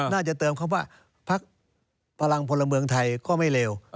เติมคำว่าพักพลังพลเมืองไทยก็ไม่เลว